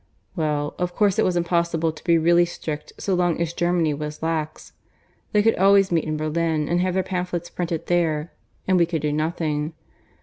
Well, of course it was impossible to be really strict so long as Germany was lax. They could always meet in Berlin, and have their pamphlets printed there; and we could do nothing.